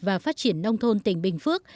và phát triển nông thôn tỉnh bình phước